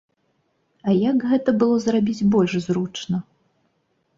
А як гэта было зрабіць больш зручна?